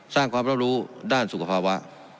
สร้างความรับรู้ด้านสุขภาวะ